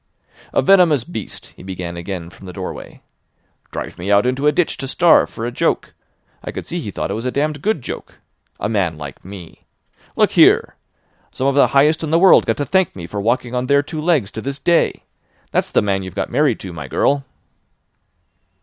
"A venomous beast," he began again from the doorway. "Drive me out into a ditch to starve for a joke. I could see he thought it was a damned good joke. A man like me! Look here! Some of the highest in the world got to thank me for walking on their two legs to this day. That's the man you've got married to, my girl!"